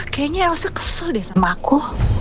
kayaknya elsa kesel deh sama aku